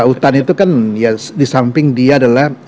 hutan itu kan ya di samping dia adalah